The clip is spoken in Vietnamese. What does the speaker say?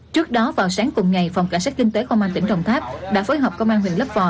trước đó vào sáng cùng ngày phòng cảnh sát kinh tế công an tỉnh đồng tháp đã phối hợp công an huyện lấp vò